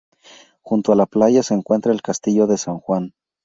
Junto a la playa se encuentra el Castillo de San Juan.